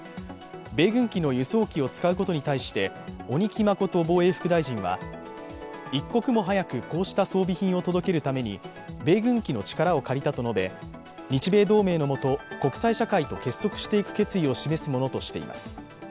米軍機の輸送機を使うことに対して鬼木誠防衛副大臣は一刻も早くこうした装備品を届けるために米軍機の力を借りたと述べ、日米同盟のもと国際社会と結束していく決意を示すものとしています。